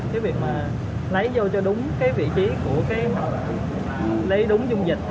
cái việc mà lấy vô cho đúng cái vị trí của cái lấy đúng dung dịch